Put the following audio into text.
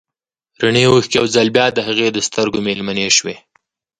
رڼې اوښکې يو ځل بيا د هغې د سترګو مېلمنې شوې.